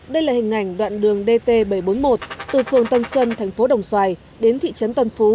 đây là hình ảnh đoạn đường dt bảy trăm bốn mươi một từ phường tân sơn thành phố đồng xoài đến thị trấn tân phú